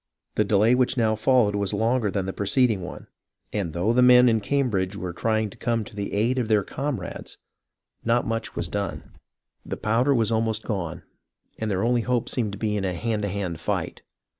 The delay which now followed was longer than the preceding one, and though the men in Cambridge were trying to come to the aid of their comrades, not much was done. The powder was almost gone, and their only hope seemed to be in a hand to hand fight.